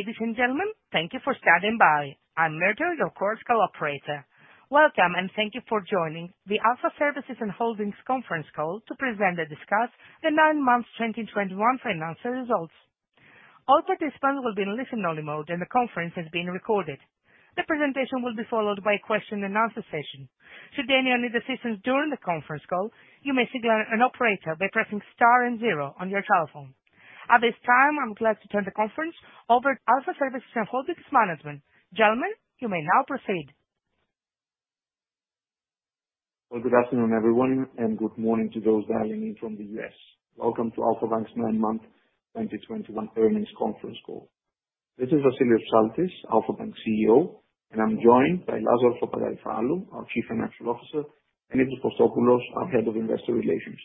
Ladies and gentlemen, thank you for standing by. I'm Merdo, your conference operator. Welcome and thank you for joining the Alpha Services and Holdings conference call to present and discuss the nine months 2021 financial results. All participants will be in listen-only mode, and the conference is being recorded. The presentation will be followed by a question-and-answer session. Should anyone need assistance during the conference call, you may signal an operator by pressing star and zero on your telephone. At this time, I'm glad to turn the conference over to Alpha Services and Holdings management. Gentlemen, you may now proceed. Well, good afternoon, everyone, and good morning to those dialing in from the U.S. Welcome to Alpha Bank's nine-month 2021 earnings conference call. This is Vassilios Psaltis, Alpha Bank CEO, and I'm joined by Lazaros Papagaryfallou, our Chief Financial Officer, and Dimitris Kostopoulos, our Head of Investor Relations.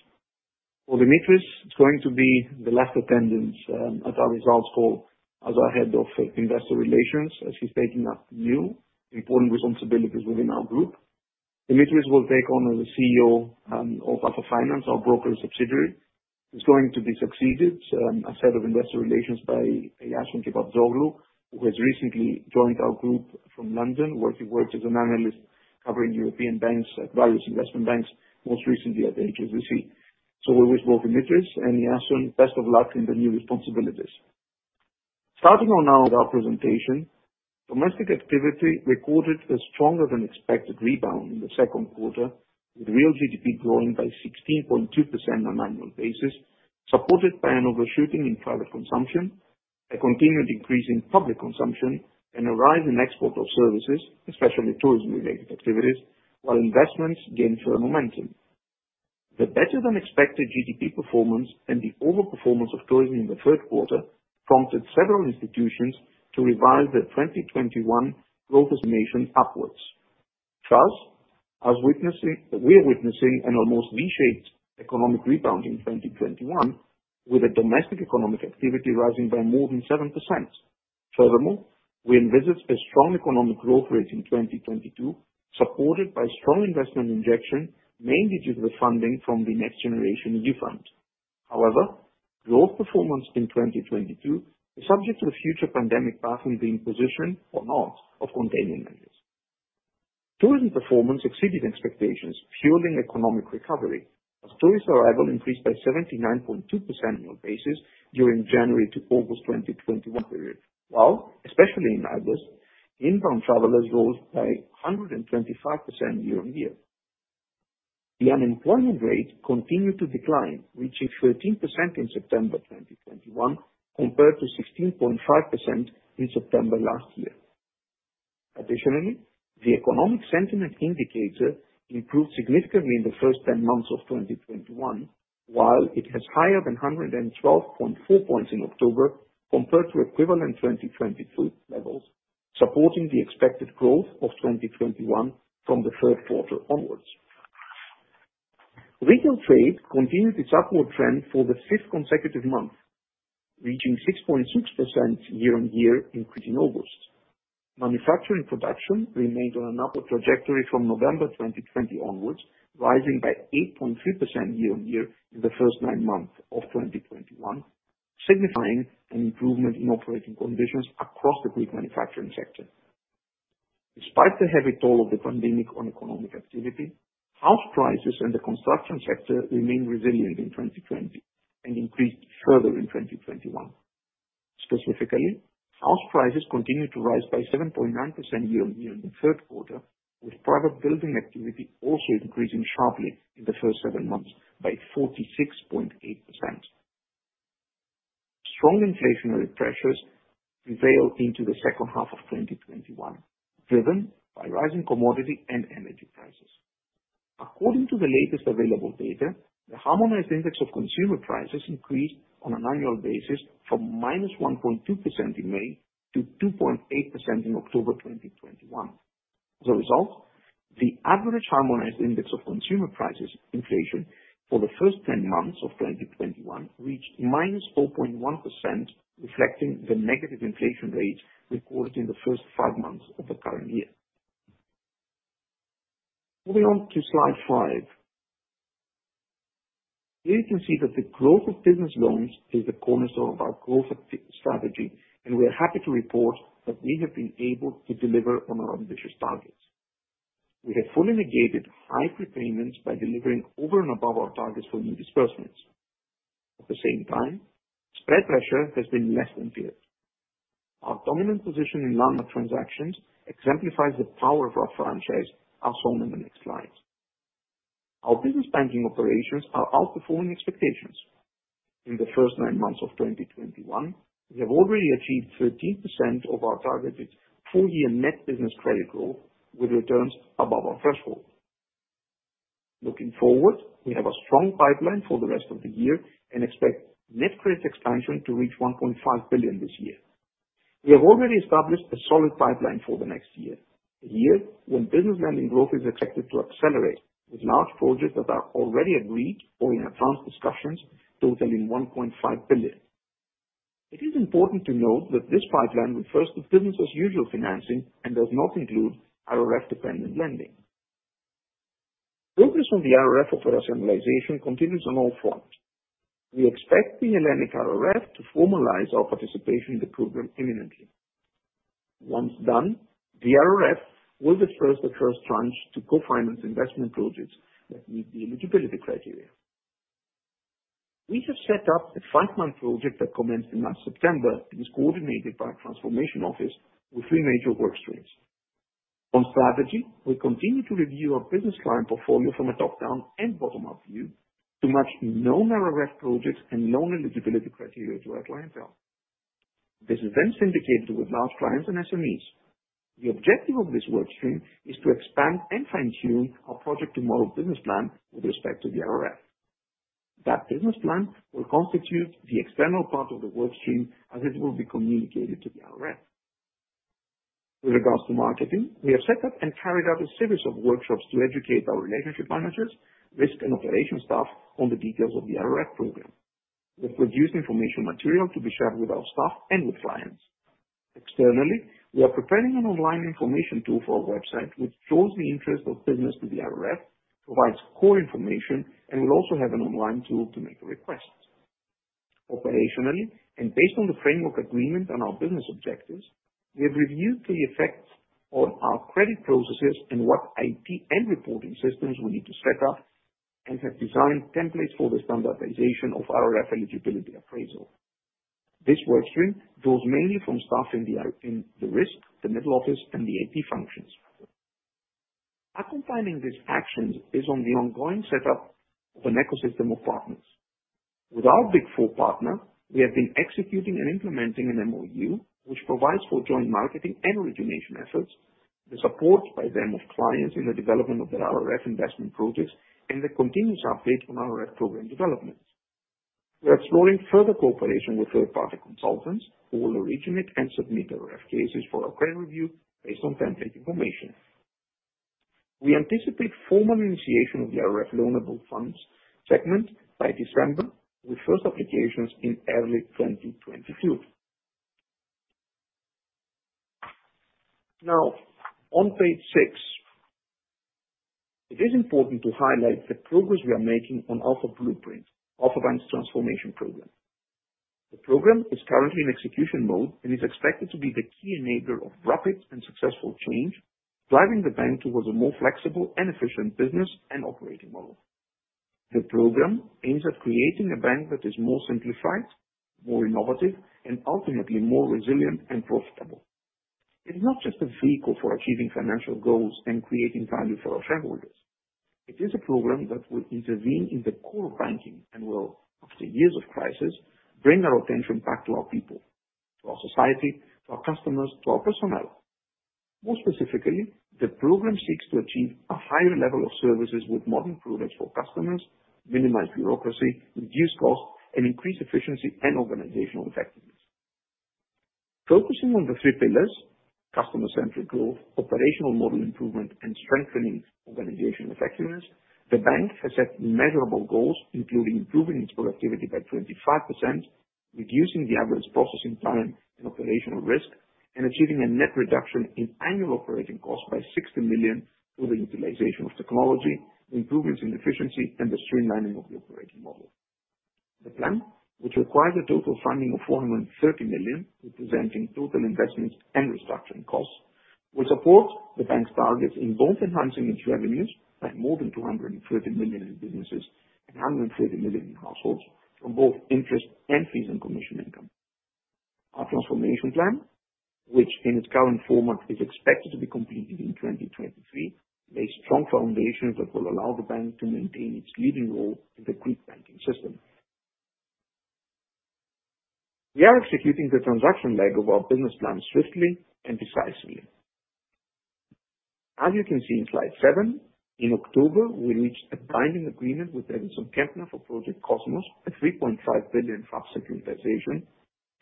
For Dimitris, it's going to be the last attendance at our results call as our Head of Investor Relations, as he's taking up new important responsibilities within our group. Dimitris will take on as a CEO of Alpha Finance, our broker subsidiary. He's going to be succeeded as Head of Investor Relations by Iason Kepaptsoglou, who has recently joined our group from London, where he worked as an analyst covering European banks at various investment banks, most recently at HSBC. We wish both Dimitris and Iason best of luck in the new responsibilities. Starting now with our presentation, domestic activity recorded a stronger than expected rebound in the second quarter, with real GDP growing by 16.2% on annual basis, supported by an overshooting in private consumption, a continued increase in public consumption and a rise in export of services, especially tourism related activities, while investments gained further momentum. The better-than-expected GDP performance and the overperformance of tourism in the third quarter prompted several institutions to revise their 2021 growth estimation upwards. Thus, we are witnessing an almost V-shaped economic rebound in 2021, with the domestic economic activity rising by more than 7%. Furthermore, we envisage a strong economic growth rate in 2022, supported by strong investment injection, mainly due to the funding from the NextGenerationEU. However, growth performance in 2022 is subject to the future pandemic path and the imposition or not of containment measures. Tourism performance exceeded expectations, fueling economic recovery as tourist arrival increased by 79.2% annual basis during January to August 2021 period, while especially in August, inbound travelers rose by 125% year-on-year. The unemployment rate continued to decline, reaching 13% in September 2021 compared to 16.5% in September last year. Additionally, the economic sentiment indicator improved significantly in the first 10 months of 2021, while it has higher than 112.4 points in October compared to equivalent 2022 levels, supporting the expected growth of 2021 from the third quarter onwards. Retail trade continued its upward trend for the fifth consecutive month, reaching 6.6% year-on-year increase in August. Manufacturing production remained on an upward trajectory from November 2020 onwards, rising by 8.3% year-on-year in the first nine months of 2021, signifying an improvement in operating conditions across the Greek manufacturing sector. Despite the heavy toll of the pandemic on economic activity, house prices and the construction sector remained resilient in 2020 and increased further in 2021. Specifically, house prices continued to rise by 7.9% year-on-year in the third quarter, with private building activity also increasing sharply in the first seven months by 46.8%. Strong inflationary pressures prevailed into the second half of 2021, driven by rising commodity and energy prices. According to the latest available data, the harmonized index of consumer prices increased on an annual basis from -1.2% in May to 2.8% in October 2021. As a result, the average Harmonized Index of Consumer Prices inflation for the first 10 months of 2021 reached -4.1%, reflecting the negative inflation rate recorded in the first 5 months of the current year. Moving on to slide 5. Here you can see that the growth of business loans is the cornerstone of our growth strategy, and we are happy to report that we have been able to deliver on our ambitious targets. We have fully negated high prepayments by delivering over and above our targets for new disbursements. At the same time, spread pressure has been less than feared. Our dominant position in landmark transactions exemplifies the power of our franchise, as shown in the next slides. Our business banking operations are outperforming expectations. In the first 9 months of 2021, we have already achieved 13% of our targeted full year net business credit growth with returns above our threshold. Looking forward, we have a strong pipeline for the rest of the year and expect net credit expansion to reach 1.5 billion this year. We have already established a solid pipeline for the next year. A year when business lending growth is expected to accelerate with large projects that are already agreed or in advanced discussions totaling 1.5 billion. It is important to note that this pipeline refers to business as usual financing and does not include our RRF dependent lending. Focus on the RRF authorization continues on all fronts. We expect the Hellenic RRF to formalize our participation in the program imminently. Once done, the RRF will disburse the first tranche to co-finance investment projects that meet the eligibility criteria. We have set up a five-month project that commenced last September and is coordinated by our transformation office with three major work streams. On strategy, we continue to review our business line portfolio from a top-down and bottom-up view to match known RRF projects and known eligibility criteria to our clientele. This is then syndicated with large clients and SMEs. The objective of this work stream is to expand and fine-tune our projected model business plan with respect to the RRF. That business plan will constitute the external part of the work stream as it will be communicated to the RRF. With regards to marketing, we have set up and carried out a series of workshops to educate our relationship managers, risk and operations staff on the details of the RRF program. We've produced information material to be shared with our staff and with clients. Externally, we are preparing an online information tool for our website, which shows the interest of business to the RRF, provides core information, and will also have an online tool to make requests. Operationally, based on the framework agreement and our business objectives, we have reviewed the effects on our credit processes and what IT and reporting systems we need to set up, and have designed templates for the standardization of RRF eligibility appraisal. This work stream draws mainly from staff in the risk, the middle office and the AP functions. Accompanying these actions is the ongoing setup of an ecosystem of partners. With our Big Four partner, we have been executing and implementing an MOU, which provides for joint marketing and origination efforts, the support by them of clients in the development of their RRF investment projects, and the continuous update on RRF program developments. We are exploring further cooperation with third party consultants who will originate and submit RRF cases for our credit review based on template information. We anticipate formal initiation of the RRF loanable funds segment by December, with first applications in early 2022. Now, on page 6, it is important to highlight the progress we are making on Alpha Blueprint, Alpha Bank's transformation program. The program is currently in execution mode and is expected to be the key enabler of rapid and successful change, driving the bank towards a more flexible and efficient business and operating model. The program aims at creating a bank that is more simplified, more innovative, and ultimately more resilient and profitable. It is not just a vehicle for achieving financial goals and creating value for our shareholders. It is a program that will intervene in the core banking and will, after years of crisis, bring our attention back to our people, to our society, to our customers, to our personnel. More specifically, the program seeks to achieve a higher level of services with modern products for customers, minimize bureaucracy, reduce costs, and increase efficiency and organizational effectiveness. Focusing on the three pillars, customer-centric growth, operational model improvement, and strengthening organizational effectiveness, the bank has set measurable goals, including improving its productivity by 25%, reducing the average processing time and operational risk, and achieving a net reduction in annual operating costs by 60 million through the utilization of technology, improvements in efficiency, and the streamlining of the operating model. The plan, which requires a total funding of 430 million, representing total investments and restructuring costs, will support the bank's targets in both enhancing its revenues by more than 230 million in businesses and 130 million in households from both interest and fees and commission income. Our transformation plan, which in its current format is expected to be completed in 2023, lays strong foundations that will allow the bank to maintain its leading role in the Greek banking system. We are executing the transaction leg of our business plan swiftly and decisively. As you can see in slide 7, in October, we reached a binding agreement with Davidson Kempner for Project Cosmos, a 3.5 billion securitization,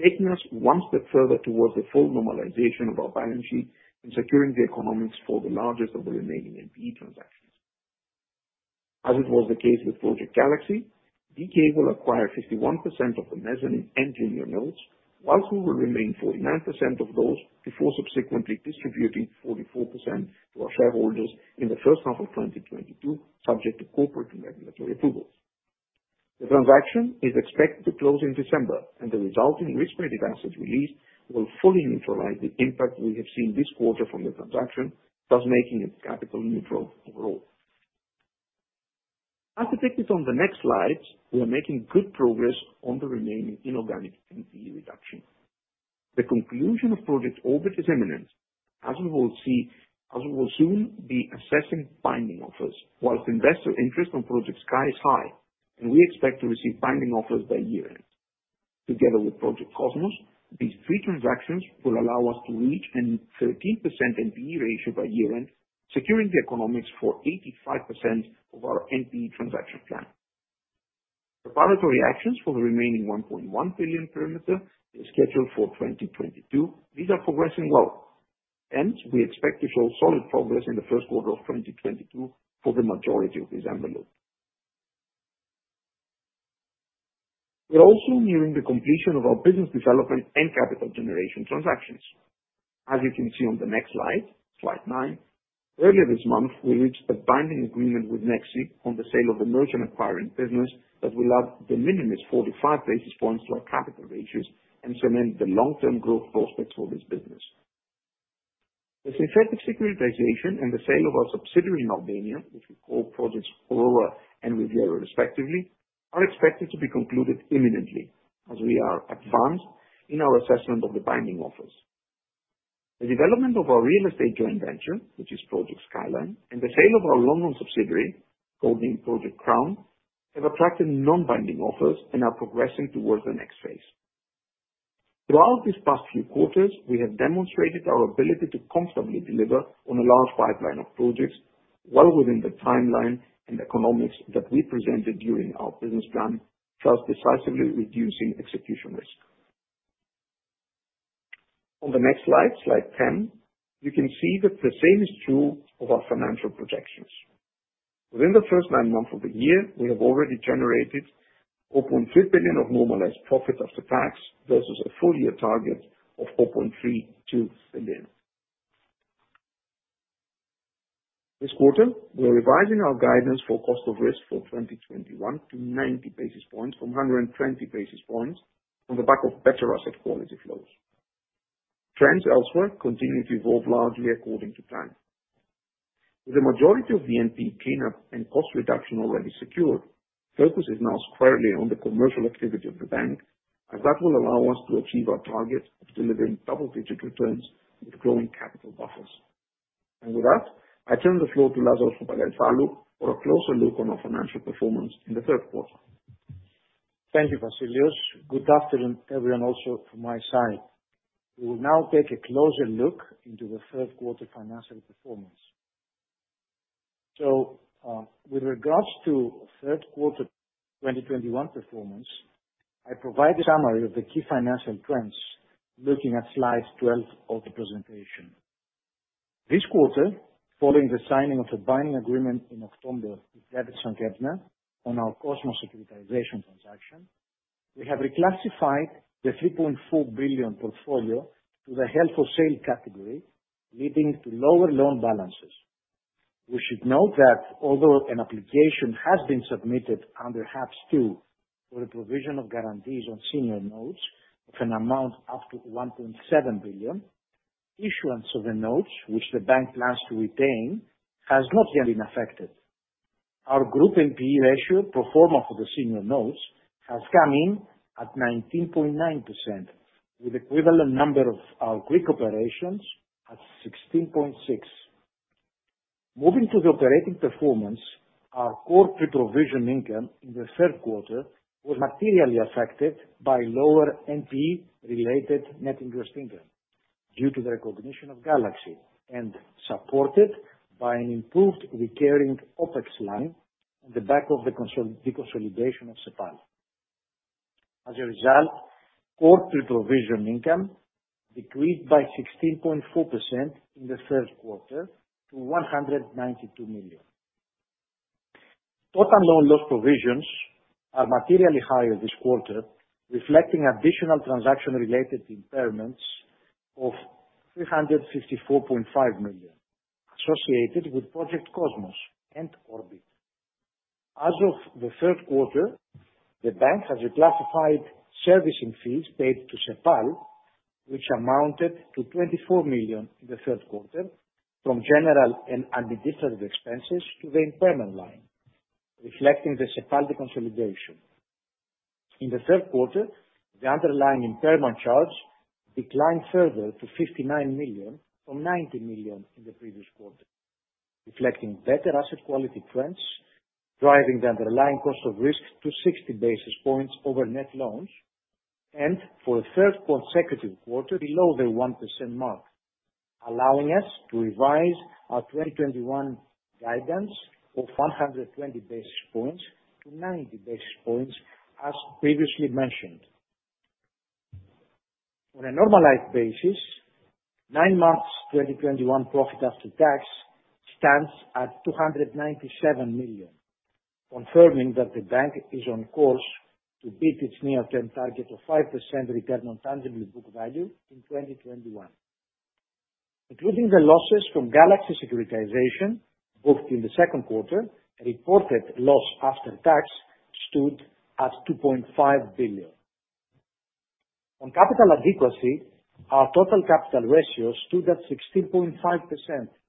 taking us one step further towards the full normalization of our balance sheet and securing the economics for the largest of the remaining NPE transactions. As it was the case with Project Galaxy, DK will acquire 51% of the mezzanine and junior notes, while we will remain 49% of those before subsequently distributing 44% to our shareholders in the first half of 2022, subject to corporate and regulatory approvals. The transaction is expected to close in December, and the resulting risk-weighted assets released will fully neutralize the impact we have seen this quarter from the transaction, thus making it capital neutral overall. As depicted on the next slides, we are making good progress on the remaining inorganic NPE reduction. The conclusion of Project Orbit is imminent as we will soon be assessing binding offers, whilst investor interest on Project Sky is high, and we expect to receive binding offers by year-end. Together with Project Cosmos, these three transactions will allow us to reach a 13% NPE ratio by year-end, securing the economics for 85% of our NPE transaction plan. Preparatory actions for the remaining 1.1 billion perimeter is scheduled for 2022. These are progressing well, and we expect to show solid progress in the first quarter of 2022 for the majority of this envelope. We're also nearing the completion of our business development and capital generation transactions. As you can see on the next slide 9, earlier this month, we reached a binding agreement with Nexi on the sale of the merchant acquiring business that will add a minimum of 45 basis points to our capital ratios and cement the long-term growth prospects for this business. The synthetic securitization and the sale of our subsidiary in Albania, which we call Project Aurora and Project Riviera, respectively, are expected to be concluded imminently as we are advanced in our assessment of the binding offers. The development of our real estate joint venture, which is Project Skyline, and the sale of our London subsidiary, codenamed Project Crown, have attracted non-binding offers and are progressing towards the next phase. Throughout these past few quarters, we have demonstrated our ability to comfortably deliver on a large pipeline of projects well within the timeline and economics that we presented during our business plan, thus decisively reducing execution risk. On the next slide 10, we can see that the same is true of our financial projections. Within the first nine months of the year, we have already generated over 3 billion of normalized profit after tax versus a full-year target of 4.32 billion. This quarter, we are revising our guidance for cost of risk for 2021 to 90 basis points from 120 basis points on the back of better asset quality flows. Trends elsewhere continue to evolve largely according to plan. With the majority of the NP cleanup and cost reduction already secured, focus is now squarely on the commercial activity of the bank, and that will allow us to achieve our target of delivering double-digit returns with growing capital buffers. With that, I turn the floor to Lazaros Papagaryfallou for a closer look on our financial performance in the third quarter. Thank you, Vassilios. Good afternoon, everyone also from my side. We will now take a closer look into the third quarter financial performance. With regards to third quarter 2021 performance, I provide a summary of the key financial trends looking at slide 12 of the presentation. This quarter, following the signing of the binding agreement in October with Davidson Kempner on our Cosmos securitization transaction, we have reclassified the 3.4 billion portfolio to the held for sale category, leading to lower loan balances. We should note that although an application has been submitted under HAPS 2 for the provision of guarantees on senior notes of an amount up to 1.7 billion, issuance of the notes, which the bank plans to retain, has not yet been affected. Our group NPE ratio pro forma for the senior notes has come in at 19.9%, with equivalent number of our Greek operations at 16.6%. Moving to the operating performance, our core pre-provision income in the third quarter was materially affected by lower NPE-related net interest income due to the recognition of Galaxy and supported by an improved recurring OpEx line on the back of the consol-deconsolidation of Cepal. As a result, core pre-provision income decreased by 16.4% in the third quarter to 192 million. Total loan loss provisions are materially higher this quarter, reflecting additional transaction-related impairments of 354.5 million associated with Project Cosmos and Orbit. As of the third quarter, the bank has reclassified servicing fees paid to Cepal, which amounted to 24 million in the third quarter from general and administrative expenses to the impairment line, reflecting the Cepal deconsolidation. In the third quarter, the underlying impairment charge declined further to 59 million from 90 million in the previous quarter, reflecting better asset quality trends, driving the underlying cost of risk to 60 basis points over net loans. For the third consecutive quarter below the 1% mark, allowing us to revise our 2021 guidance of 120 basis points to 90 basis points, as previously mentioned. On a normalized basis, nine months 2021 profit after tax stands at 297 million, confirming that the bank is on course to beat its near-term target of 5% return on tangible book value in 2021. Including the losses from Galaxy securitization booked in the second quarter, reported loss after tax stood at 2.5 billion. On capital adequacy, our total capital ratio stood at 16.5%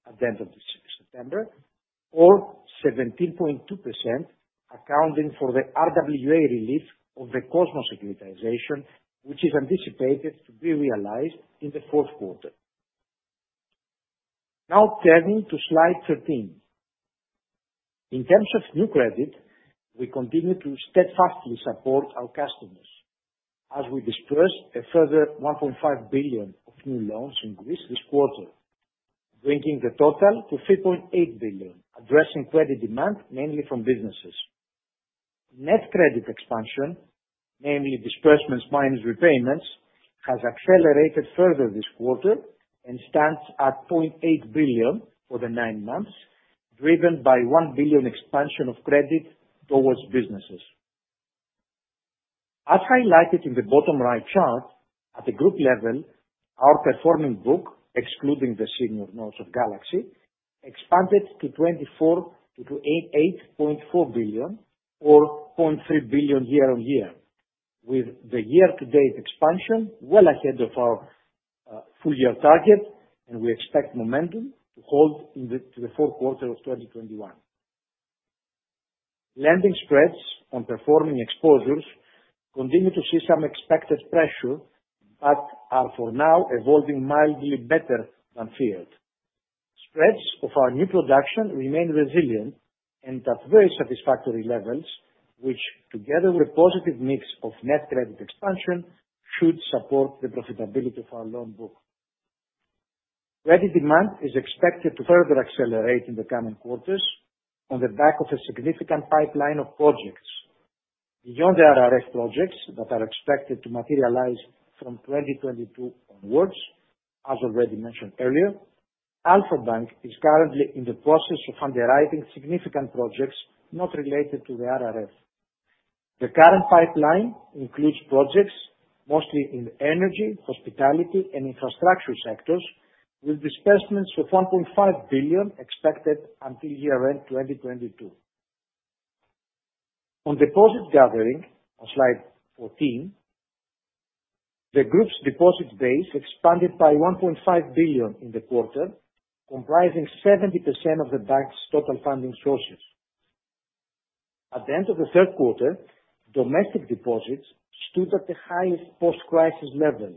at the end of September, or 17.2% accounting for the RWA relief of the Cosmos securitization, which is anticipated to be realized in the fourth quarter. Now turning to slide 13. In terms of new credit, we continue to steadfastly support our customers as we disbursed a further 1.5 billion of new loans in Greece this quarter, bringing the total to 3.8 billion, addressing credit demand, mainly from businesses. Net credit expansion, mainly disbursements minus repayments, has accelerated further this quarter and stands at 0.8 billion for the nine months, driven by 1 billion expansion of credit towards businesses. As highlighted in the bottom right chart, at the group level, our performing book, excluding the senior notes of Galaxy, expanded to 24.8 billion or 0.3 billion year on year. With the year-to-date expansion well ahead of our full year target, and we expect momentum to hold to the fourth quarter of 2021. Lending spreads on performing exposures continue to see some expected pressure, but are for now evolving mildly better than feared. Spreads of our new production remain resilient and at very satisfactory levels, which together with positive mix of net credit expansion, should support the profitability of our loan book. Credit demand is expected to further accelerate in the coming quarters on the back of a significant pipeline of projects. Beyond the RRF projects that are expected to materialize from 2022 onwards, as already mentioned earlier, Alpha Bank is currently in the process of underwriting significant projects not related to the RRF. The current pipeline includes projects mostly in energy, hospitality and infrastructure sectors, with disbursements of 1.5 billion expected until year-end 2022. On deposit gathering, on slide 14, the group's deposit base expanded by 1.5 billion in the quarter, comprising 70% of the bank's total funding sources. At the end of the third quarter, domestic deposits stood at the highest post-crisis level,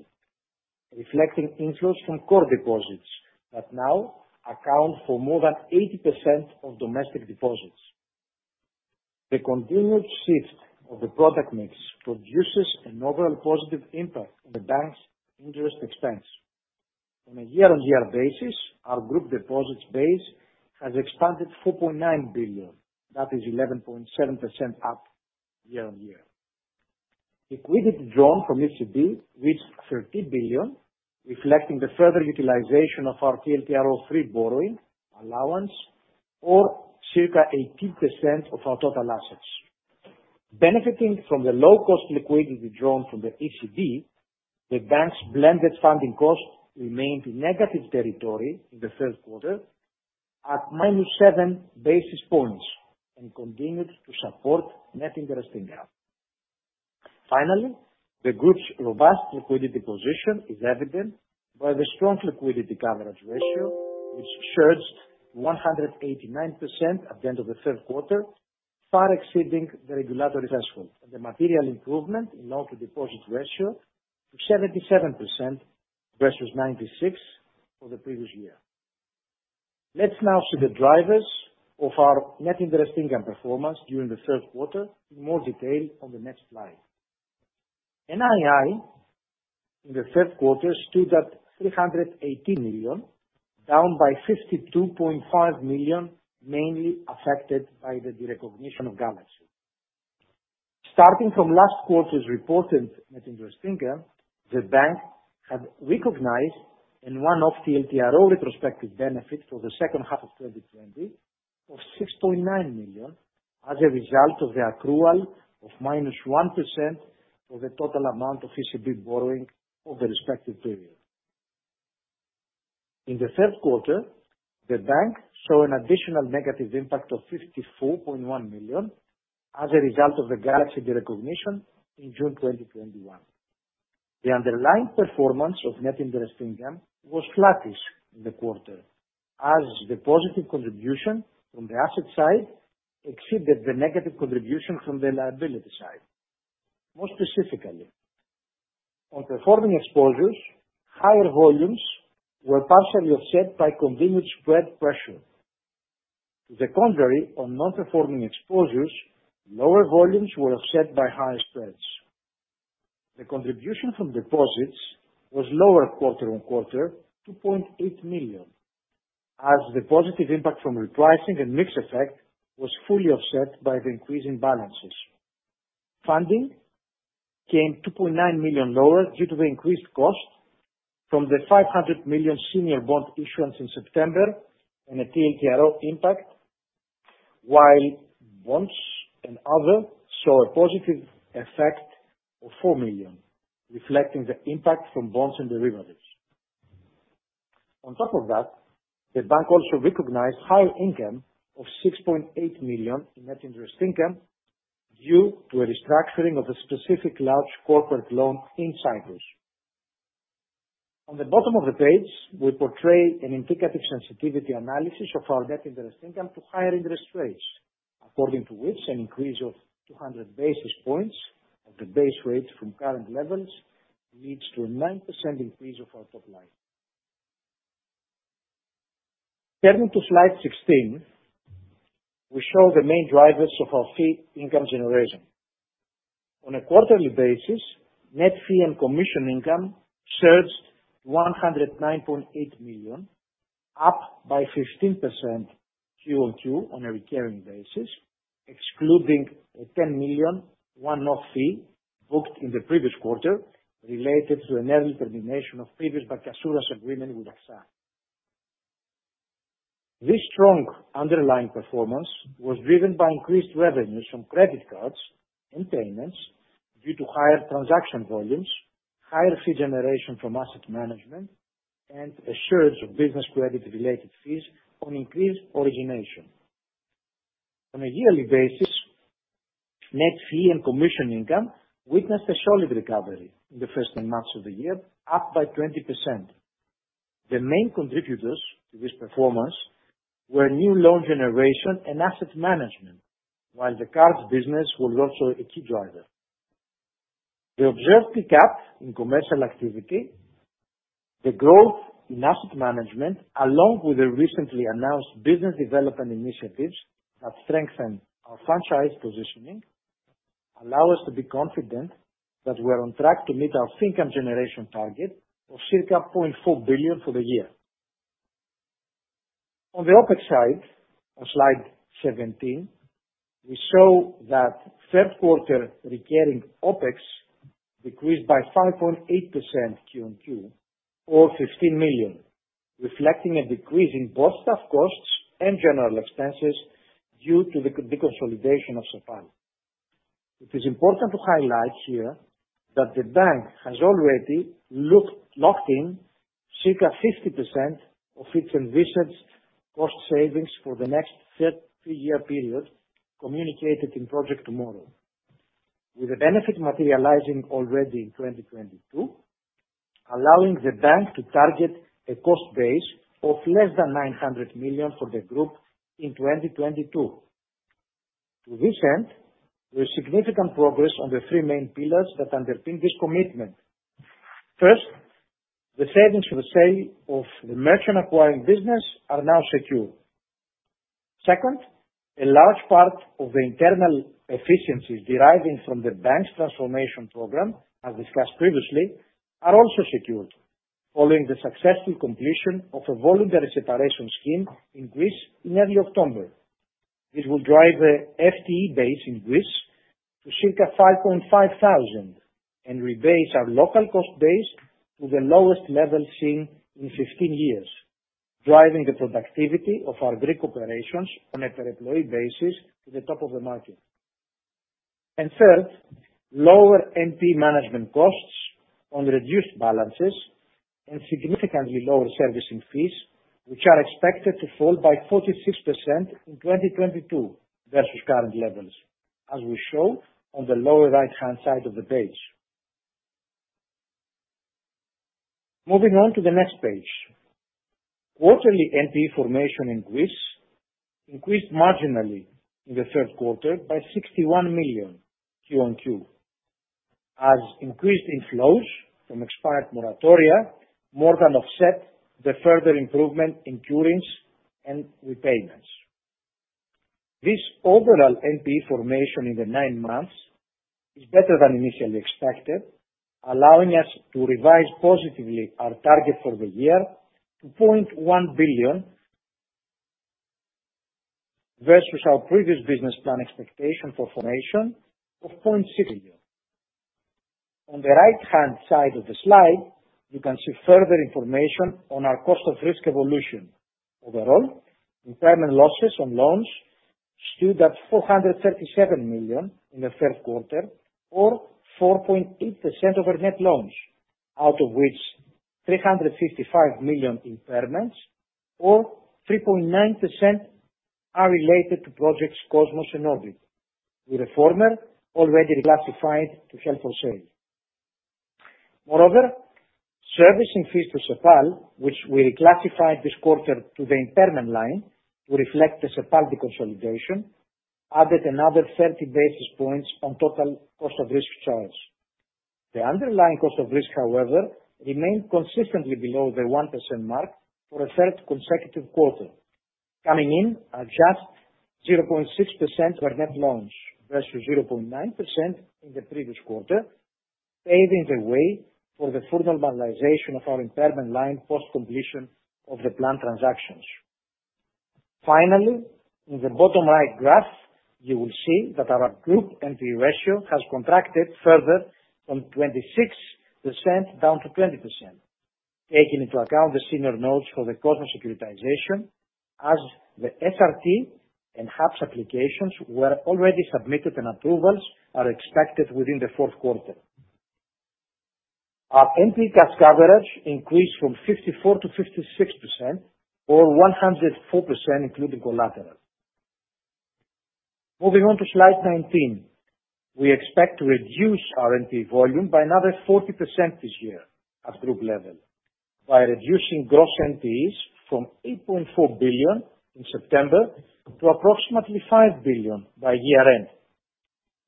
reflecting inflows from core deposits that now account for more than 80% of domestic deposits. The continued shift of the product mix produces an overall positive impact on the bank's interest expense. On a year-on-year basis, our group deposits base has expanded 4.9 billion. That is 11.7% up year-on-year. Liquidity drawn from ECB reached 30 billion, reflecting the further utilization of our TLTRO III borrowing allowance or circa 18% of our total assets. Benefiting from the low cost liquidity withdrawn from the ECB, the bank's blended funding cost remained in negative territory in the third quarter at -7 basis points and continued to support net interest income. Finally, the group's robust liquidity position is evident by the strong liquidity coverage ratio, which surged 189% at the end of the third quarter, far exceeding the regulatory threshold, and the material improvement in loan-to-deposit ratio to 77% versus 96% for the previous year. Let's now see the drivers of our net interest income performance during the third quarter in more detail on the next slide. NII in the third quarter stood at 380 million, down by 52.5 million, mainly affected by the derecognition of Galaxy. Starting from last quarter's reported net interest income, the bank had recognized a one-off TLTRO retrospective benefit for the second half of 2020 of 6.9 million as a result of the accrual of -1% for the total amount of ECB borrowing over the respective period. In the third quarter, the bank saw an additional negative impact of 54.1 million as a result of the Galaxy derecognition in June 2021. The underlying performance of net interest income was flattish in the quarter as the positive contribution from the asset side exceeded the negative contribution from the liability side. More specifically, on performing exposures, higher volumes were partially offset by continued spread pressure. To the contrary, on non-performing exposures, lower volumes were offset by higher spreads. The contribution from deposits was lower quarter on quarter to 0.8 million as the positive impact from repricing and mix effect was fully offset by the increase in balances. Funding came EUR 2.9 million lower due to the increased cost from the 500 million senior bond issuance in September and a TLTRO impact, while bonds and other saw a positive effect of 4 million, reflecting the impact from bonds and derivatives. On top of that, the bank also recognized higher income of 6.8 million in net interest income due to a restructuring of a specific large corporate loan in Cyprus. On the bottom of the page, we portray an indicative sensitivity analysis of our net interest income to higher interest rates, according to which an increase of 200 basis points of the base rate from current levels leads to a 9% increase of our top line. Turning to slide 16, we show the main drivers of our fee income generation. On a quarterly basis, net fee and commission income surged EUR 109.8 million, up 15% QoQ on a recurring basis, excluding a 10 million one-off fee booked in the previous quarter related to an early termination of previous bancassurance agreement with AXA. This strong underlying performance was driven by increased revenues from credit cards and payments due to higher transaction volumes, higher fee generation from asset management, and a surge of business credit-related fees on increased origination. On a yearly basis, net fee and commission income witnessed a solid recovery in the first nine months of the year, up by 20%. The main contributors to this performance were new loan generation and asset management, while the card business was also a key driver. The observed pickup in commercial activity, the growth in asset management, along with the recently announced business development initiatives that strengthen our franchise positioning, allow us to be confident that we are on track to meet our fee income generation target of circa 0.4 billion for the year. On the OpEx side, on slide 17, we show that third quarter recurring OpEx decreased by 5.8% QOQ or 15 million, reflecting a decrease in both staff costs and general expenses due to the deconsolidation of Cepal. It is important to highlight here that the bank has already locked in circa 50% of its envisioned cost savings for the next three-year period communicated in Project Tomorrow. With the benefit materializing already in 2022, allowing the bank to target a cost base of less than 900 million for the group in 2022. To this end, there is significant progress on the three main pillars that underpin this commitment. First, the savings from the sale of the merchant acquiring business are now secure. Second, a large part of the internal efficiencies deriving from the bank's transformation program, as discussed previously, are also secured following the successful completion of a voluntary separation scheme in Greece in early October. It will drive the FTE base in Greece to circa 5,500 and rebase our local cost base to the lowest level seen in 15 years, driving the productivity of our Greek operations on a per employee basis to the top of the market. Third, lower NP management costs on reduced balances and significantly lower servicing fees, which are expected to fall by 46% in 2022 versus current levels, as we show on the lower right-hand side of the page. Moving on to the next page. Quarterly NP formation in Greece increased marginally in the third quarter by 61 million QoQ, as increased inflows from expired moratoria more than offset the further improvement in cure rates and repayments. This overall NP formation in the nine months is better than initially expected, allowing us to revise positively our target for the year to 0.1 billion versus our previous business plan expectation for formation of 0.6 billion. On the right-hand side of the slide, you can see further information on our cost of risk evolution. Overall, impairment losses on loans stood at 437 million in the third quarter, or 4.8% of our net loans, out of which 355 million impairments or 3.9% are related to Project Cosmos and Project Orbit, with the former already reclassified to held for sale. Moreover, servicing fees to Cepal, which we reclassified this quarter to the impairment line to reflect the Cepal deconsolidation, added another 30 basis points on total cost of risk charge. The underlying cost of risk, however, remained consistently below the 1% mark for a third consecutive quarter, coming in at just 0.6% of net loans versus 0.9% in the previous quarter, paving the way for the full normalization of our impairment line post-completion of the planned transactions. Finally, in the bottom right graph, you will see that our group NP ratio has contracted further from 26% down to 20%, taking into account the senior notes for the cost of securitization as the SRT and HAPS applications were already submitted, and approvals are expected within the fourth quarter. Our NP cash coverage increased from 54% to 56% or 104%, including collateral. Moving on to slide 19. We expect to reduce our NP volume by another 40% this year at group level by reducing gross NPEs from 8.4 billion in September to approximately 5 billion by year-end.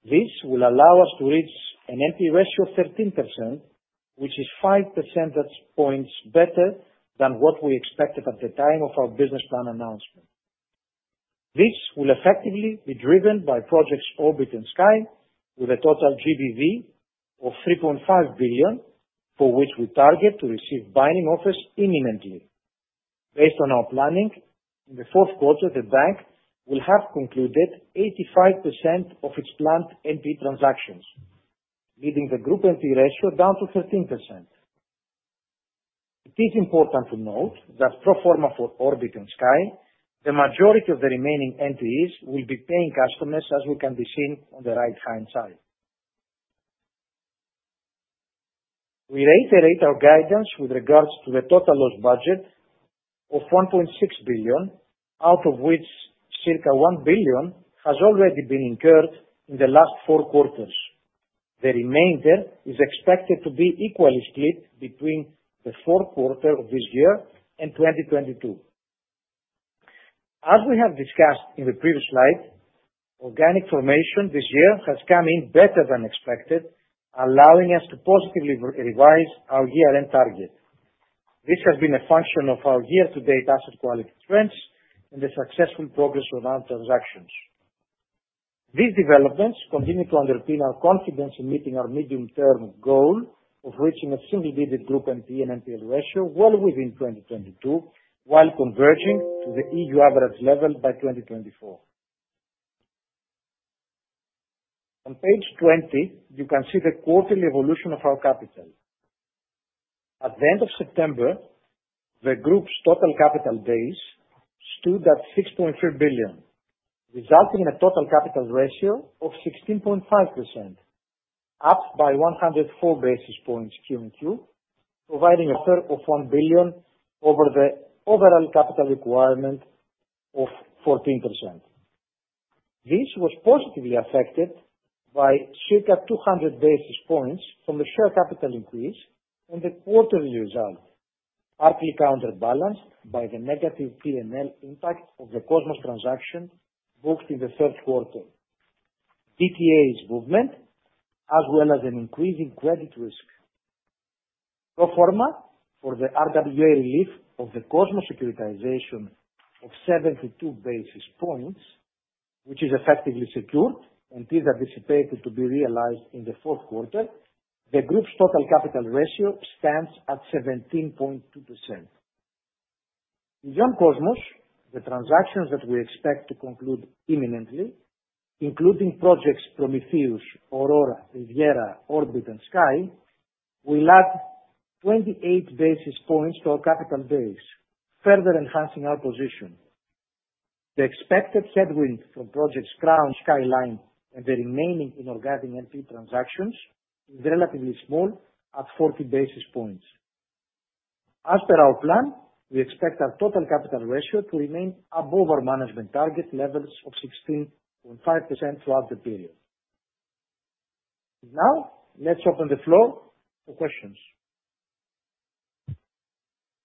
This will allow us to reach an NP ratio of 13%, which is 5 percentage points better than what we expected at the time of our business plan announcement. This will effectively be driven by Projects Orbit and Sky, with a total GDV of 3.5 billion, for which we target to receive binding offers imminently. Based on our planning, in the fourth quarter, the bank will have concluded 85% of its planned NP transactions, leaving the group NP ratio down to 13%. It is important to note that pro forma for Orbit and Sky, the majority of the remaining NPEs will be paying customers, as we can be seen on the right-hand side. We reiterate our guidance with regards to the total loss budget of 1.6 billion, out of which circa 1 billion has already been incurred in the last four quarters. The remainder is expected to be equally split between the fourth quarter of this year and 2022. As we have discussed in the previous slide, organic formation this year has come in better than expected, allowing us to positively re-revise our year-end target. This has been a function of our year-to-date asset quality trends and the successful progress with our transactions. These developments continue to underpin our confidence in meeting our medium-term goal of reaching a single-digit group NP and NPL ratio well within 2022, while converging to the EU average level by 2024. On page 20, you can see the quarterly evolution of our capital. At the end of September, the group's total capital base stood at 6.3 billion, resulting in a total capital ratio of 16.5%, up by 104 basis points QoQ, providing a buffer of 1 billion over the overall capital requirement of 14%. This was positively affected by circa 200 basis points from the share capital increase and the quarterly result, partly counterbalanced by the negative P&L impact of the Cosmos transaction booked in the third quarter, FVOCI's movement, as well as an increasing credit risk. Pro forma for the RWA relief of the Cosmos securitization of 72 basis points, which is effectively secured and is anticipated to be realized in the fourth quarter, the group's total capital ratio stands at 17.2%. Beyond Project Cosmos, the transactions that we expect to conclude imminently, including projects Prometheus, Aurora, Riviera, Orbit and Sky, will add 28 basis points to our capital base, further enhancing our position. The expected headwind from projects Crown, Skyline and the remaining inorganic NP transactions is relatively small at 40 basis points. As per our plan, we expect our total capital ratio to remain above our management target levels of 16.5% throughout the period. Now, let's open the floor for questions.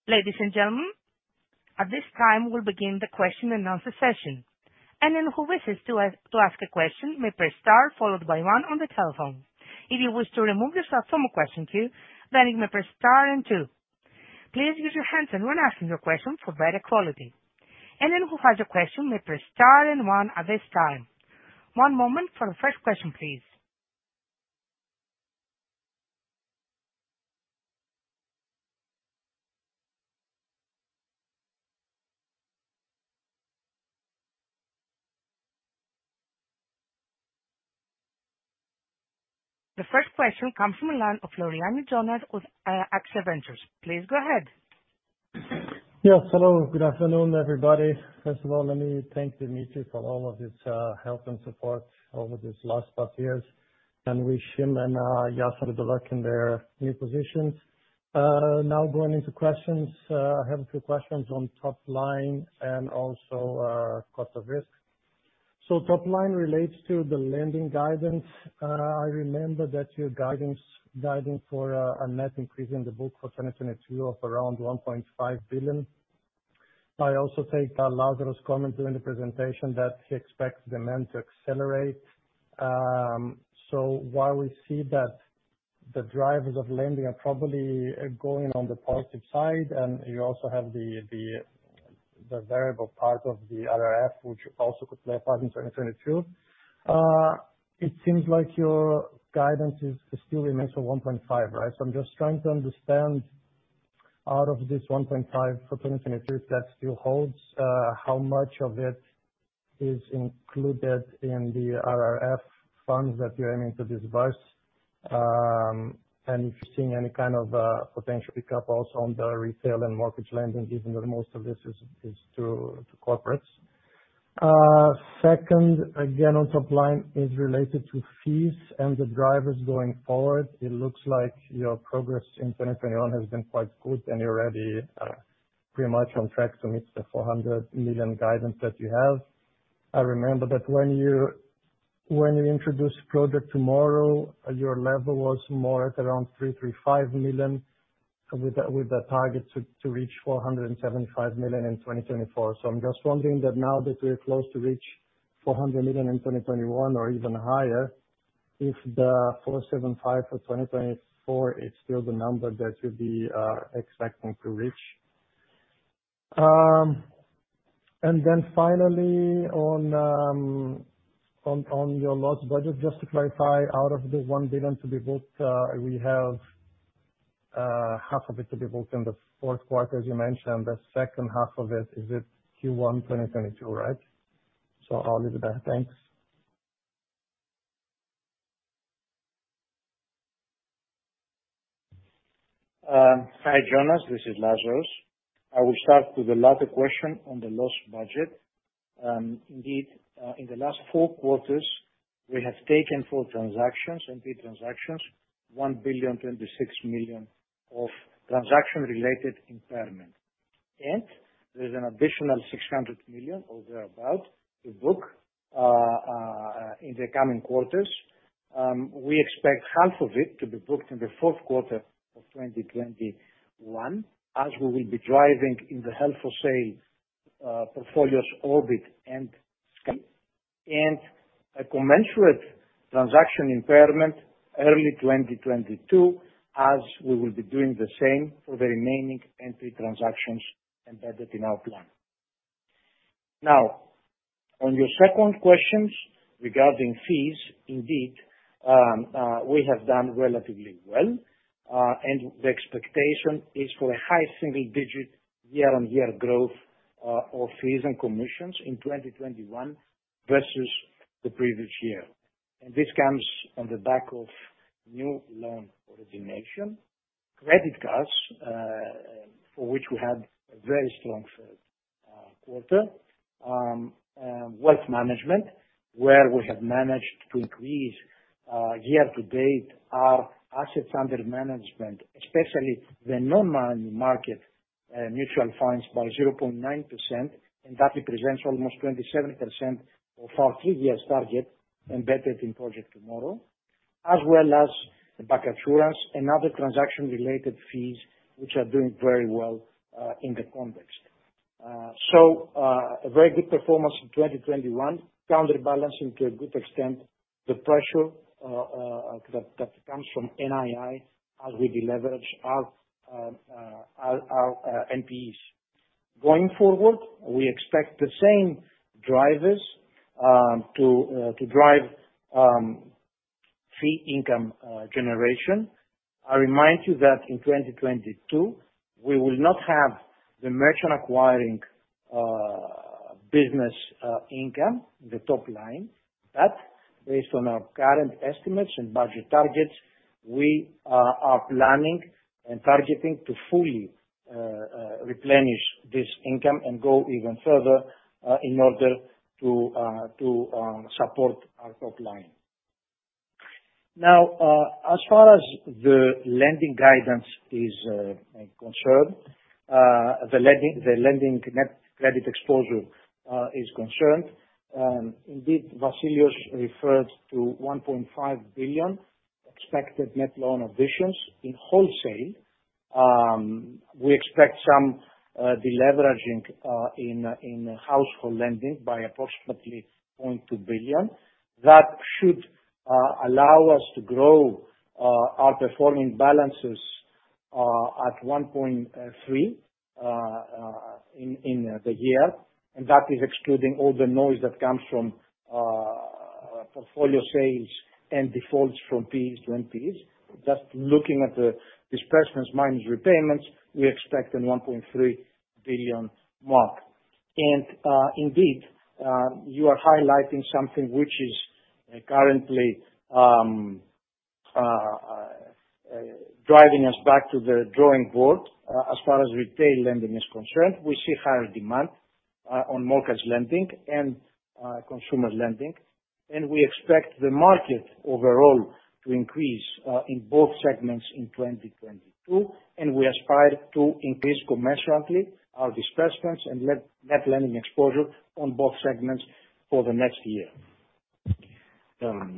Ladies and gentlemen, at this time we'll begin the question and answer session. Anyone who wishes to ask a question may press star followed by one on the telephone. If you wish to remove yourself from a question queue, then you may press star and two. Please use your handset when asking your question for better quality. Anyone who has a question may press star and one at this time. One moment for the first question, please. The first question comes from the line of Jonas Floriani with AXIA Ventures Group. Please go ahead. Yes, hello. Good afternoon, everybody. First of all, let me thank Dimitris for all of his help and support over these last tough years, and wish him and Iason the luck in their new positions. Now going into questions. I have a few questions on top line and also cost of risk. Top line relates to the lending guidance. I remember that your guidance for a net increase in the book for 2022 of around 1.5 billion. I also take Lazaros' comment during the presentation that he expects the demand to accelerate. While we see that the drivers of lending are probably going on the positive side, and you also have the variable part of the RRF, which also could play a part in 2022, it seems like your guidance still remains at 1.5, right? I'm just trying to understand, out of this 1.5 for 2022 that still holds, how much of it is included in the RRF funds that you're aiming to disburse, and if you're seeing any kind of potential pick up also on the retail and mortgage lending, given that most of this is to corporates. Second, again, on top line is related to fees and the drivers going forward. It looks like your progress in 2021 has been quite good and you're already pretty much on track to meet the 400 million guidance that you have. I remember that when you introduced Project Tomorrow, your level was more at around 335 million, with the target to reach 475 million in 2024. I'm just wondering that now that we're close to reach 400 million in 2021 or even higher. If the 475 for 2024 is still the number that you'll be expecting to reach. And then finally on your loss budget, just to clarify, out of the 1 billion to be booked, we have half of it to be booked in the fourth quarter, as you mentioned. The second half of it, is it Q1 2022, right? I'll leave it there. Thanks. Hi, Jonas. This is Lazaros. I will start with the latter question on the loss budget. Indeed, in the last four quarters, we have taken four transactions, NPE transactions, 1,026 million of transaction-related impairment. There's an additional 600 million, or thereabout, to book in the coming quarters. We expect half of it to be booked in the fourth quarter of 2021, as we will be driving in the helpful sale portfolios Orbit and Cosmos, and a commensurate transaction impairment early 2022, as we will be doing the same for the remaining NPE transactions embedded in our plan. Now, on your second questions regarding fees, indeed, we have done relatively well, and the expectation is for a high single-digit year-on-year growth of fees and commissions in 2021 versus the previous year. This comes on the back of new loan origination, credit cards, for which we had a very strong third quarter, wealth management, where we have managed to increase year to date our assets under management, especially the non-money market mutual funds by 0.9%, and that represents almost 27% of our three-year target embedded in Project Tomorrow, as well as the bancassurance and other transaction-related fees, which are doing very well in the context. A very good performance in 2021, counterbalancing to a good extent the pressure that comes from NII as we deleverage our NPEs. Going forward, we expect the same drivers to drive fee income generation. I remind you that in 2022, we will not have the merchant acquiring business income, the top line, but based on our current estimates and budget targets, we are planning and targeting to fully replenish this income and go even further in order to support our top line. Now, as far as the lending net credit exposure is concerned, indeed, Vassilios referred to 1.5 billion expected net loan additions in wholesale. We expect some deleveraging in household lending by approximately 0.2 billion. That should allow us to grow our performing balances at 1.3 billion in the year. That is excluding all the noise that comes from portfolio sales and defaults from PE to NPEs. Just looking at the disbursements minus repayments, we expect a 1.3 billion mark. Indeed, you are highlighting something which is currently driving us back to the drawing board. As far as retail lending is concerned, we see higher demand on mortgage lending and consumer lending. We expect the market overall to increase in both segments in 2022, and we aspire to increase commensurately our disbursements and net lending exposure on both segments for the next year. Jonas,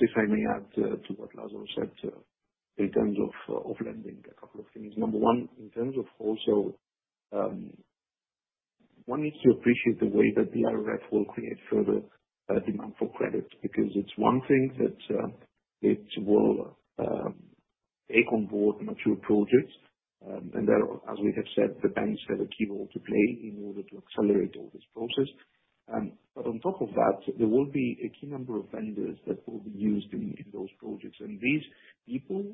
if I may add to what Lazaros said in terms of lending, a couple of things. Number one, in terms of also, one is to appreciate the way that the RRF will create further demand for credit, because it's one thing that it will take on board mature projects. As we have said, the banks have a key role to play in order to accelerate all this process. On top of that, there will be a key number of vendors that will be used in those projects. These people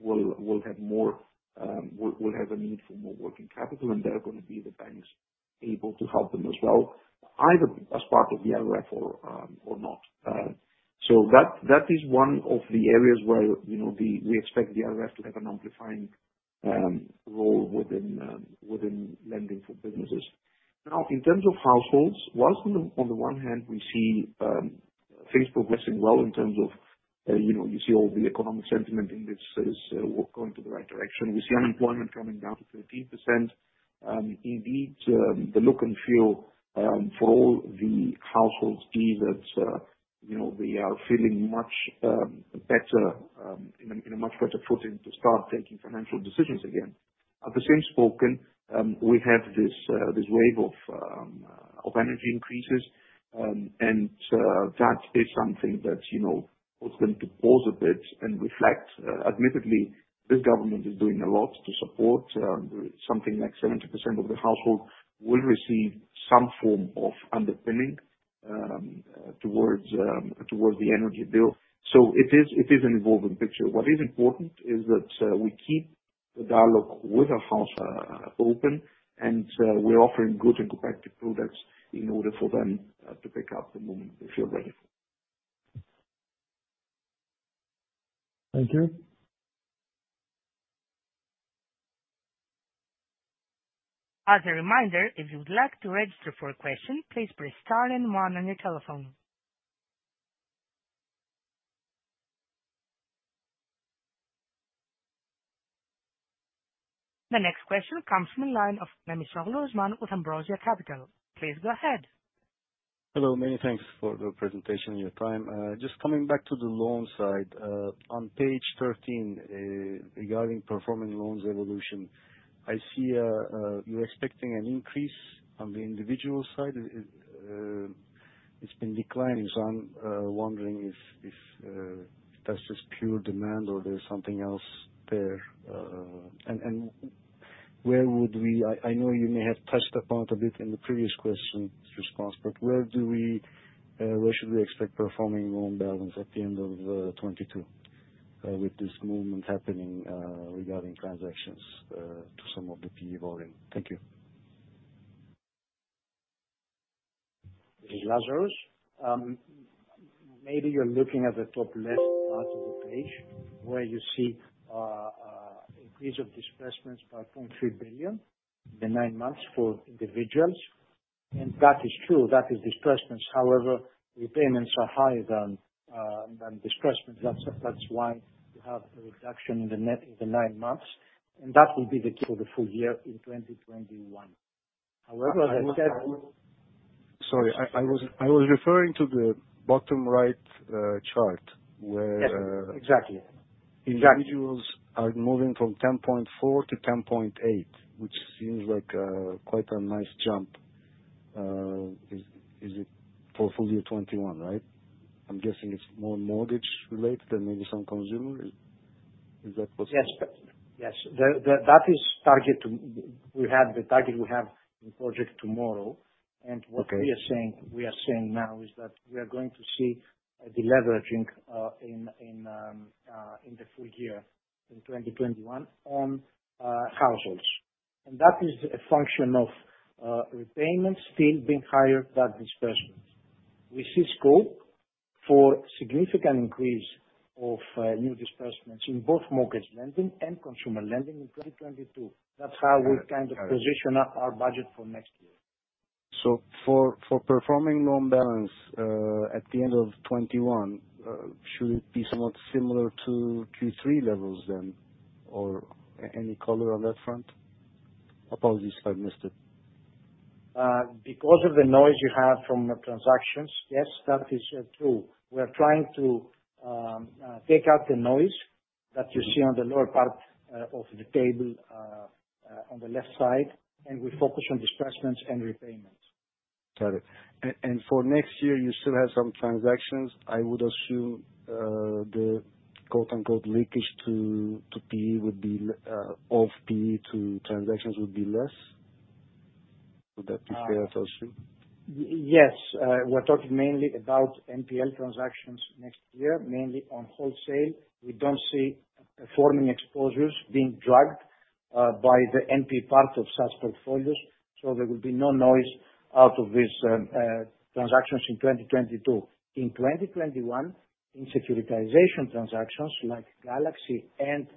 will have a need for more working capital, and they are going to be the banks able to help them as well, either as part of the RRF or not. That is one of the areas where, you know, we expect the RRF to have an amplifying role within lending for businesses. In terms of households, while on the one hand we see things progressing well in terms of, you know, you see all the economic sentiment indices are going to the right direction. We see unemployment coming down to 13%. Indeed, the look and feel for all the households is that, you know, we are feeling much better on a much better footing to start taking financial decisions again. At the same time, we have this wave of energy increases, and that is something that, you know, puts them to pause a bit and reflect. Admittedly, this government is doing a lot to support something like 70% of the households will receive some form of underpinning towards the energy bill. It is an evolving picture. What is important is that we keep the dialogue with our clients open, and we're offering good and competitive products in order for them to pick up the moment they feel ready. Thank you. As a reminder, if you'd like to register for a question, please press star and one on your telephone. The next question comes from the line of Osman Memisoglu with Ambrosia Capital. Please go ahead. Hello. Many thanks for the presentation and your time. Just coming back to the loan side. On page 13, regarding performing loans evolution, I see you're expecting an increase on the individual side. It's been declining, so I'm wondering if that's just pure demand or there's something else there. I know you may have touched upon it a bit in the previous question's response, but where should we expect performing loan balance at the end of 2022 with this movement happening regarding transactions to some of the PE volume? Thank you. Lazaros, maybe you're looking at the top left part of the page where you see increase of disbursements by 0.3 billion, the nine months for individuals, and that is true, that is disbursements. However, repayments are higher than disbursements. That's why you have a reduction in the net in the nine months, and that will be the case for the full year in 2021. However, as I said- Sorry, I was referring to the bottom right chart, where Yes. Exactly. Individuals are moving from 10.4 to 10.8, which seems like quite a nice jump. Is it for full year 2021, right? I'm guessing it's more mortgage related and maybe some consumer. Is that possible? Yes. That is targeted to the target we have in Project Tomorrow. Okay. What we are saying now is that we are going to see a deleveraging in the full year in 2021 on households. That is a function of repayments still being higher than disbursements. We see scope for significant increase of new disbursements in both mortgage lending and consumer lending in 2022. That's how we kind of position our budget for next year. For performing loan balance at the end of 2021, should it be somewhat similar to Q3 levels then, or any color on that front? Apologies if I missed it. Because of the noise you have from the transactions, yes, that is true. We're trying to take out the noise that you see on the lower part of the table on the left side, and we focus on disbursements and repayments. Got it. For next year, you still have some transactions. I would assume the quote-unquote "leakage" to PE would be of PE to transactions would be less. Would that be fair assumption? Yes. We're talking mainly about NPL transactions next year, mainly on wholesale. We don't see performing exposures being dragged by the NPE part of such portfolios, so there will be no noise out of this transactions in 2022. In 2021, in securitization transactions like Galaxy and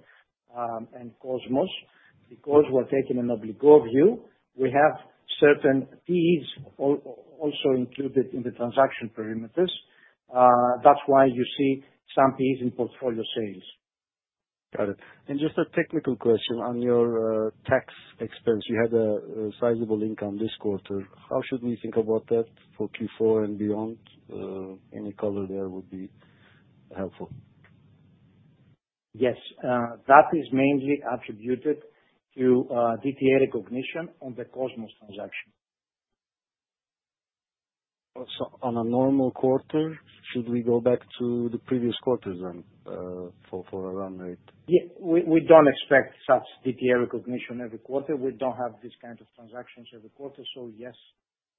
Cosmos, because we're taking an obligor view, we have certain fees also included in the transaction parameters. That's why you see some fees in portfolio sales. Got it. Just a technical question on your tax expense. You had a sizable income this quarter. How should we think about that for Q4 and beyond? Any color there would be helpful. Yes. That is mainly attributed to DTA recognition on the Cosmos transaction. On a normal quarter, should we go back to the previous quarters then, for a run rate? Yeah. We don't expect such DTA recognition every quarter. We don't have these kinds of transactions every quarter. Yes,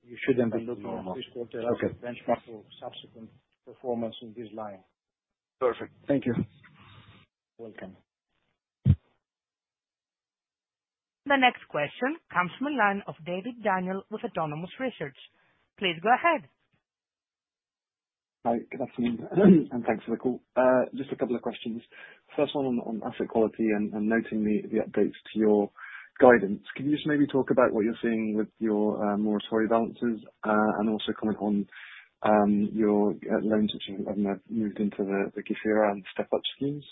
you shouldn't be looking at this quarter. Okay. as a benchmark for subsequent performance in this line. Perfect. Thank you. Welcome. The next question comes from the line of Daniel David with Autonomous Research. Please go ahead. Hi. Good afternoon, and thanks for the call. Just a couple of questions. First one on asset quality and noting the updates to your guidance. Can you just maybe talk about what you're seeing with your moratorium balances, and also comment on your loans, which have now moved into the Gefyra and Step-Up schemes.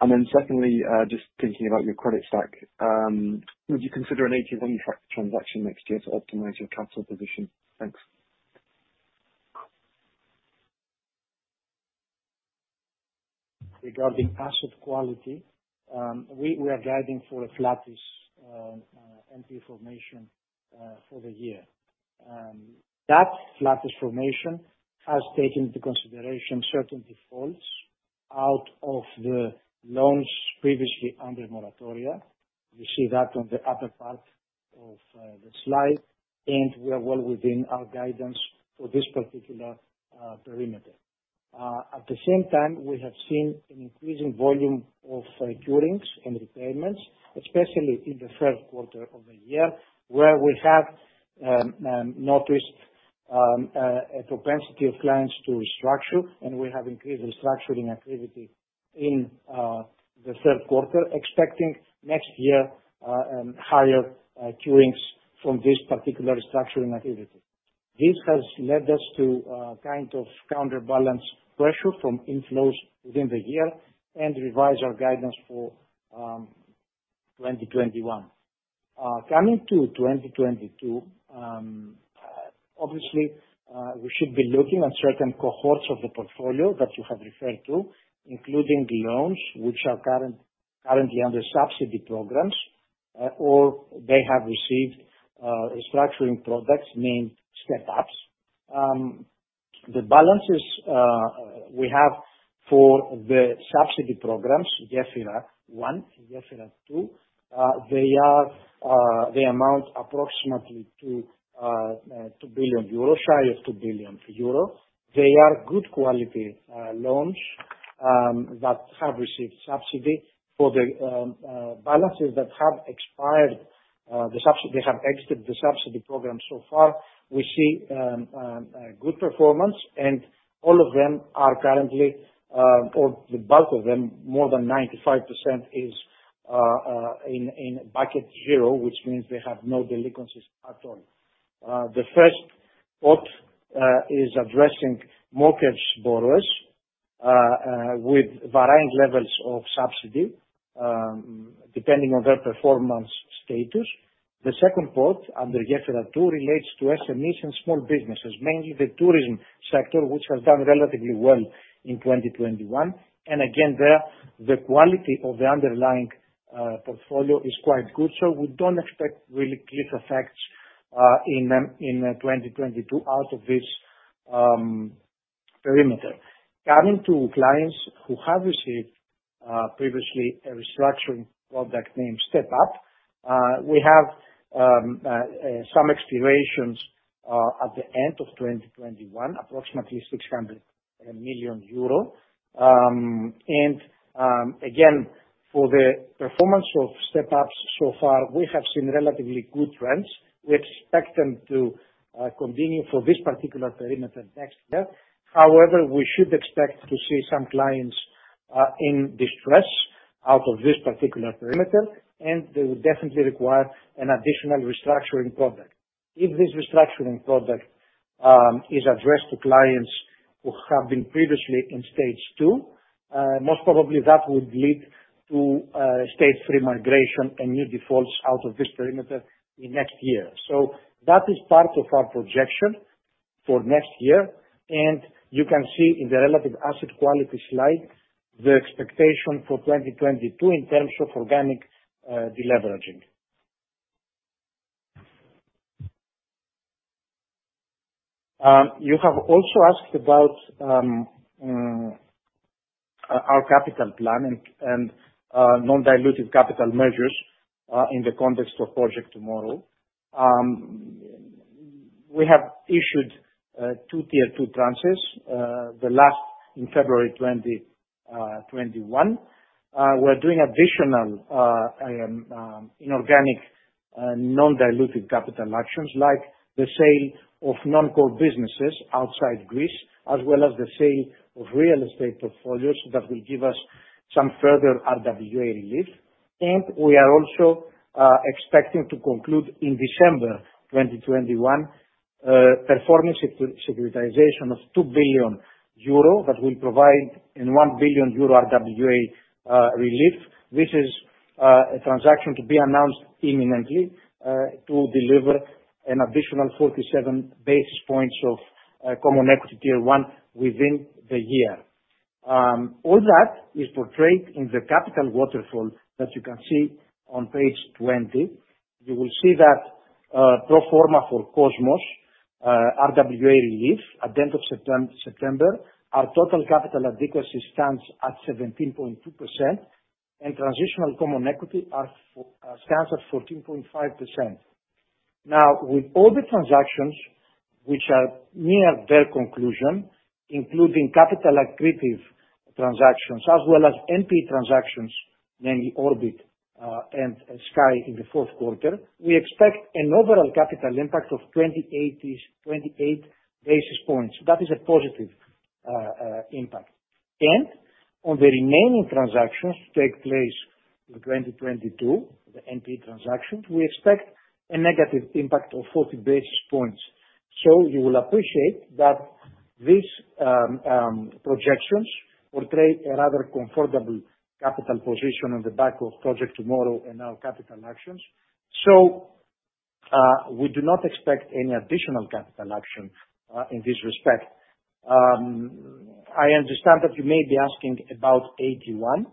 Then secondly, just thinking about your capital stack, would you consider an AT1 transaction next year to optimize your capital position? Thanks. Regarding asset quality, we are guiding for a flattish NP formation for the year. That flattish formation has taken into consideration certain defaults out of the loans previously under moratoria. You see that on the upper part of the slide, and we are well within our guidance for this particular perimeter. At the same time, we have seen an increasing volume of cure rates and repayments, especially in the third quarter of the year, where we have noticed a propensity of clients to restructure, and we have increased restructuring activity in the third quarter, expecting next year higher cure rates from this particular restructuring activity. This has led us to kind of counterbalance pressure from inflows within the year and revise our guidance for 2021. Coming to 2022, obviously, we should be looking at certain cohorts of the portfolio that you have referred to, including the loans which are currently under subsidy programs, or they have received restructuring products named Step-Ups. The balances we have for the subsidy programs, Gefyra 1, Gefyra 2, they amount approximately to 2 billion euros, shy of 2 billion euros. They are good quality loans that have received subsidy. For the balances that have expired the subsidy, have exited the subsidy program so far, we see good performance and all of them are currently, or the bulk of them, more than 95% is in bucket zero, which means they have no delinquencies at all. The first part is addressing mortgage borrowers with varying levels of subsidy depending on their performance status. The second part under Gefyra 2 relates to SMEs and small businesses, mainly the tourism sector, which has done relatively well in 2021. Again, the quality of the underlying portfolio is quite good. We don't expect really cliff effects in 2022 out of this perimeter. Coming to clients who have received previously a restructuring product named Step-Up, we have some expirations at the end of 2021, approximately 600 million euro. Again, for the performance of Step-Ups so far, we have seen relatively good trends. We expect them to continue for this particular perimeter next year. However, we should expect to see some clients in distress out of this particular perimeter, and they will definitely require an additional restructuring product. If this restructuring product is addressed to clients who have been previously in stage two, most probably that would lead to stage three migration and new defaults out of this perimeter in next year. That is part of our projection for next year. You can see in the relative asset quality slide, the expectation for 2022 in terms of organic deleveraging. You have also asked about our capital plan and non-dilutive capital measures in the context of Project Tomorrow. We have issued two Tier 2 transfers, the last in February 2021. We're doing additional inorganic non-dilutive capital actions like the sale of non-core businesses outside Greece, as well as the sale of real estate portfolios that will give us some further RWA relief. We are also expecting to conclude in December 2021 performance securitization of 2 billion euro that will provide a 1 billion euro RWA relief. This is a transaction to be announced imminently to deliver an additional 47 basis points of common equity Tier 1 within the year. All that is portrayed in the capital waterfall that you can see on page 20. You will see that pro forma for Cosmos RWA relief at the end of September. Our total capital adequacy stands at 17.2%, and transitional common equity Tier 1 stands at 14.5%. Now, with all the transactions which are near their conclusion, including capital accretive transactions as well as NP transactions, namely Orbit and Sky in the fourth quarter, we expect an overall capital impact of 28 basis points. That is a positive impact. On the remaining transactions to take place in 2022, the NP transactions, we expect a negative impact of 40 basis points. You will appreciate that these projections portray a rather comfortable capital position on the back of Project Tomorrow and our capital actions. We do not expect any additional capital action in this respect. I understand that you may be asking about AT1.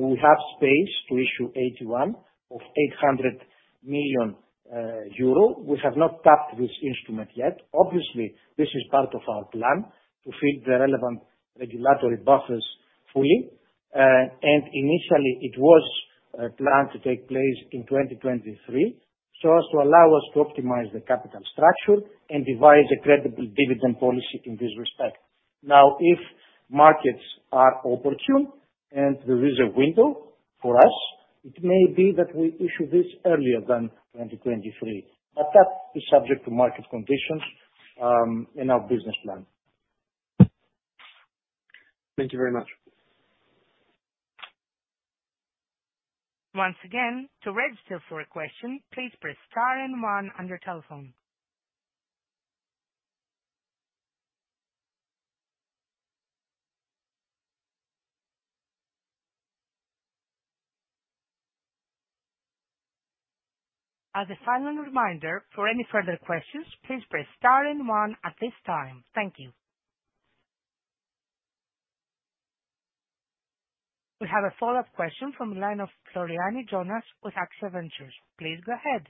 We have space to issue AT1 of 800 million euro. We have not tapped this instrument yet. Obviously, this is part of our plan to fit the relevant regulatory buffers fully. Initially it was planned to take place in 2023, so as to allow us to optimize the capital structure and devise a credible dividend policy in this respect. Now, if markets are opportune and there is a window for us, it may be that we issue this earlier than 2023. That is subject to market conditions and our business plan. Thank you very much. Once again, to register for a question, please press star and one on your telephone. As a final reminder, for any further questions, please press star and one at this time. Thank you. We have a follow-up question from the line of Jonas Floriani with AXIA Ventures Group. Please go ahead.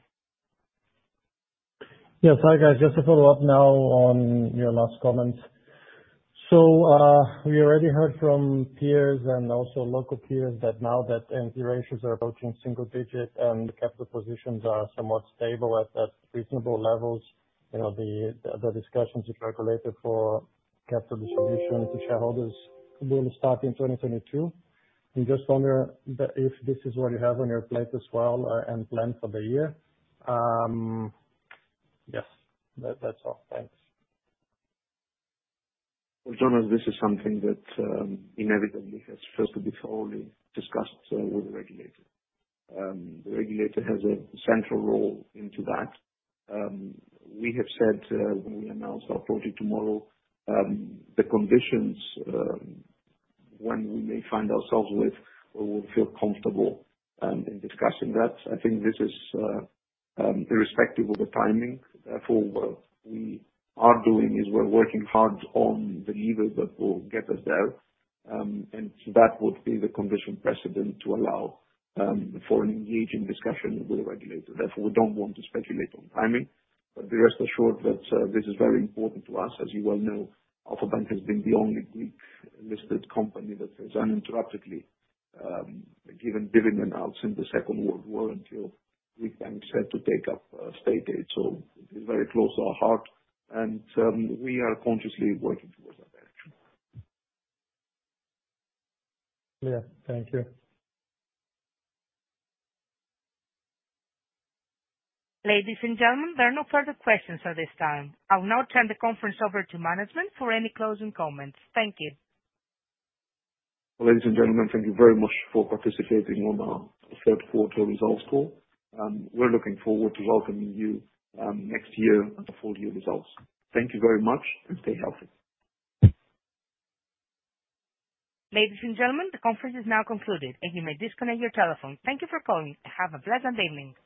Yes. Hi, guys. Just to follow up now on your last comments. We already heard from peers and also local peers that now that NPL ratios are approaching single digit and capital positions are somewhat stable at reasonable levels, you know, the discussions with regulator for capital distribution to shareholders will start in 2022. I just wonder if this is what you have on your plate as well, and plan for the year. Yes. That's all. Thanks. Well, Jonas, this is something that inevitably has first to be thoroughly discussed with the regulator. The regulator has a central role in that. We have said, when we announce our Project Tomorrow, the conditions when we may find ourselves with, or will feel comfortable, in discussing that. I think this is, irrespective of the timing, for what we are doing, is we're working hard on the levers that will get us there. That would be the condition precedent to allow for an engaging discussion with the regulator. Therefore, we don't want to speculate on timing but be rest assured that this is very important to us. As you well know, Alpha Bank has been the only Greek listed company that has uninterruptedly paid dividends since the Second World War until Greek banks had to take up state aid. It is very close to our heart, and we are consciously working towards that direction. Clear. Thank you. Ladies and gentlemen, there are no further questions at this time. I will now turn the conference over to management for any closing comments. Thank you. Ladies and gentlemen, thank you very much for participating on our third quarter results call. We're looking forward to welcoming you next year at the full year results. Thank you very much and stay healthy. Ladies and gentlemen, the conference is now concluded, and you may disconnect your telephone. Thank you for calling and have a pleasant evening.